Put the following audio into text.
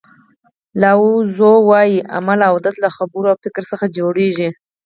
لاو زو وایي عمل او عادت له خبرو او فکر څخه جوړیږي.